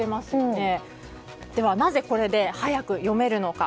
ではなぜこれで速く読めるのか。